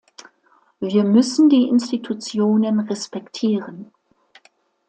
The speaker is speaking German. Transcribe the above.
Wir müssen die Institutionen respektieren.